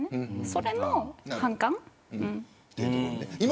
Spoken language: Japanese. それの反感。